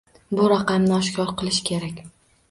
Bu raqamni oshkor qilish kerak